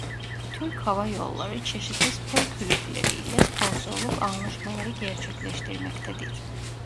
Türk Hava Yolları çeşitli spor kulüpleri ile sponsorluk anlaşmaları gerçekleştirmektedir.